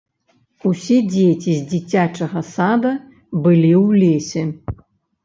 Усе дзеці з дзіцячага сада былі ў лесе.